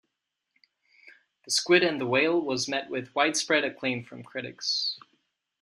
"The Squid and the Whale" was met with widespread acclaim from critics.